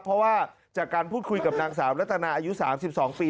เพราะว่าจากการพูดคุยกับนางสาวรัตนาอายุ๓๒ปี